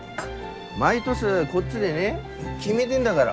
毎年こっちでね決めてんだがら。